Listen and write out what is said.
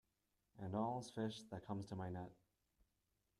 And all's fish that comes to my net.